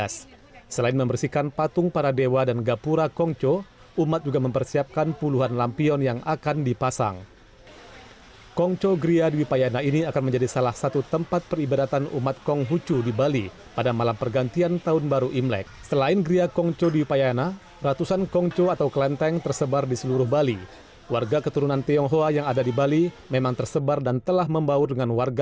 sementara itu perayaan di ntb dan juga ntt akan digelar februari mendatang